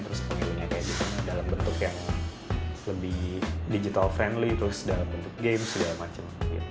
terus pemilihnya kayak gimana dalam bentuk yang lebih digital friendly terus dalam bentuk games dan lain macam